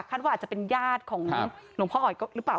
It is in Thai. คาดว่าจะเป็นญาติของน้องพ่ออ๋อยหรือเปล่า